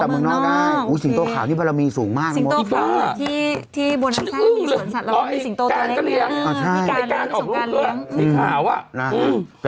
อ๋อแต่เมืองนอกได้สิงโตขาวนี่บรรมีสูงมาก